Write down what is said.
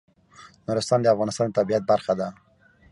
نورستان د افغانستان د طبیعت برخه ده.